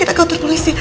kita ke kantor pulih sih